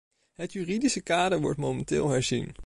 Het juridische kader wordt momenteel herzien.